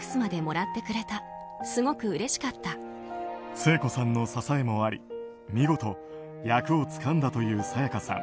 聖子さんの支えもあり見事、役をつかんだという沙也加さん。